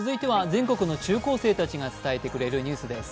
全国の中高生たちが伝えてくれるニュースです。